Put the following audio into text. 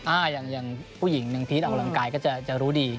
อย่างผู้หญิงหนึ่งพีชออกกำลังกายก็จะรู้ดี